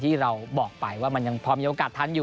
ที่เราบอกไปว่ามันยังพอมีโอกาสทันอยู่